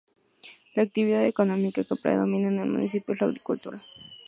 La actividad económica que predomina en el municipio es la agricultura.